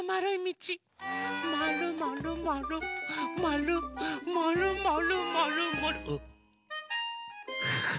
まるまるまるまるまるまるまるまるあっ。